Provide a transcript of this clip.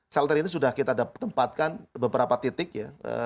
shelter ini sudah kita tempatkan beberapa titik ya